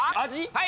はい！